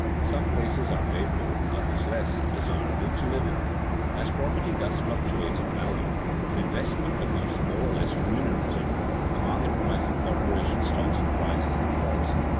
Some places are made more, others less, desirable to live in. As property thus fluctuates in value, as investments become more or less remunerative, the market price of corporation stocks rises and falls.